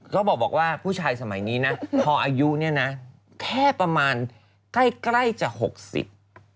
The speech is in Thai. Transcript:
ใช่ก็บอกว่าผู้ชายสมัยนี้นะพออายุแค่ประมาณใกล้จะหกสิบ